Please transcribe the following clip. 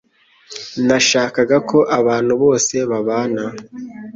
Nashakaga ko abantu bose babana